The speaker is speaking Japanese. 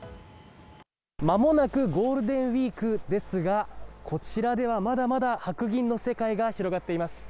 まもなくゴールデンウィークですが、こちらではまだまだ白銀の世界が広がっています。